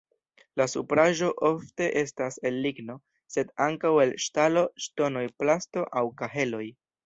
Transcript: La supraĵo ofte estas el ligno, sed ankaŭ el ŝtalo, ŝtono, plasto aŭ kaheloj.